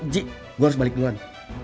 ji gue harus balik duluan